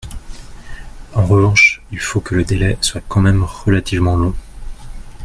En revanche, il faut que le délai soit quand même relativement long.